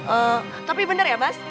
eeeh tapi bener ya mas